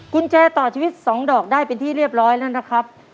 กุญแจต่อชีวิต๒ดอกได้เป็นที่เรียบร้อยแล้วนะครับ